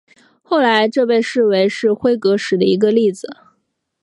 后来这被视为是辉格史的一个例子。